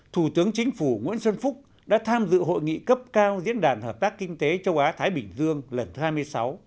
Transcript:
thủ tướng chính phủ nguyễn xuân phúc đã tham dự hội nghị cấp cao diễn đàn hợp tác kinh tế châu á thái bình dương lần hai mươi sáu